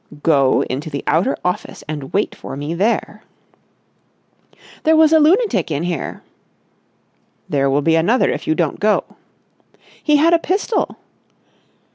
"Go into the outer office and wait for me there." "There was a lunatic in here...." "There will be another if you don't go." "He had a pistol."